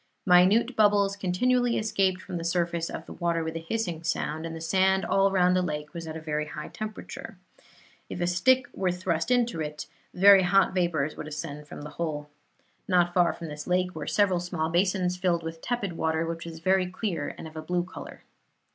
Minute bubbles continually escaped from the surface of the water with a hissing sound, and the sand all round the lake was at a high temperature. If a stick was thrust into it, very hot vapors would ascend from the hole. Not far from this lake were several small basins filled with tepid water, which was very clear, and of a blue color.